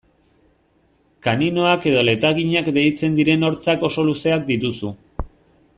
Kaninoak edo letaginak deitzen diren hortzak oso luzeak dituzu.